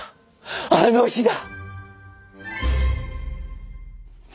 「あれの日」だ！